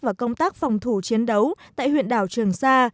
và công tác phòng thủ chiến đấu tại huyện đảo trường sa